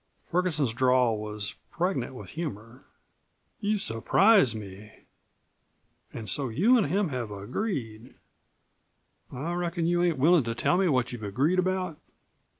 Ferguson's drawl was pregnant with humor. "You surprise me. An' so you an' him have agreed. I reckon you ain't willin' to tell me what you've agreed about?"